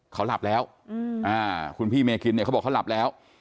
เขาหลับแล้วคุณพี่เมคินเนี่ยเขาบอกเขาหลับแล้ว